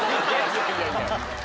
いやいやいや。